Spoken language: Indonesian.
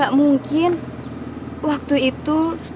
apa kosong tersusun dia udah